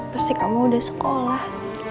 pasti kamu udah sekolah